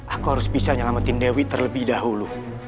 aku harus bisa nyelamatin dewi terlebih dahulu